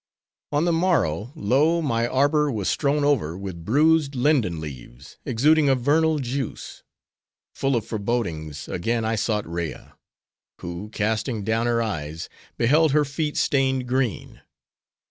On the morrow, lo! my arbor was strown over with bruised Linden leaves, exuding a vernal juice. Full of forbodings, again I sought Rea: who, casting down her eyes, beheld her feet stained green.